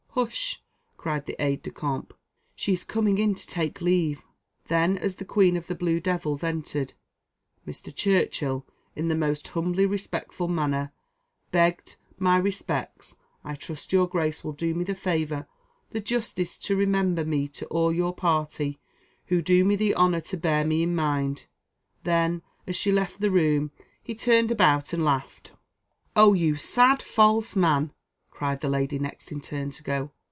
"Hush!" cried the aide de camp, "she is coming in to take leave." Then, as the queen of the Blue Devils entered, Mr. Churchill, in the most humbly respectful manner, begged "My respects I trust your grace will do me the favour the justice to remember me to all your party who do me the honour to bear me in mind " then, as she left the room, he turned about and laughed. "Oh! you sad, false man!" cried the lady next in turn to go.